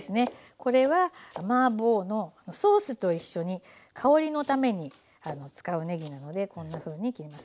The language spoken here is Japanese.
これはマーボーのソースと一緒に香りのために使うねぎなのでこんなふうに切ります。